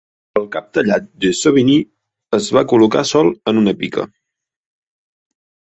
El cap tallat de De Sauvigny es va col·locar sol en una pica.